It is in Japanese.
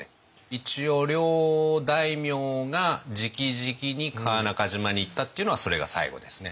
一応両大名が直々に川中島に行ったっていうのはそれが最後ですね。